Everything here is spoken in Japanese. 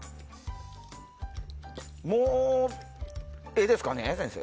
もうええですかね、先生。